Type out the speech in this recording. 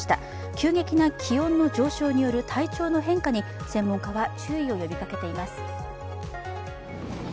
急激な気温の上昇による体調の変化に専門家は注意を呼びかけています。